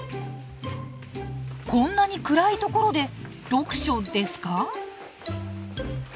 こんなに暗いところで読書ですか？